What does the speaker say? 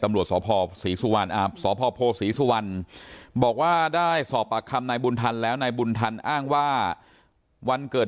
ตำรวจสอบภอสีสุวรรณอ่าสอบภอโพสีสุวรรณ